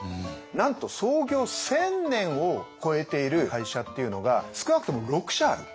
なんと創業１，０００年を超えている会社っていうのが少なくとも６社ある。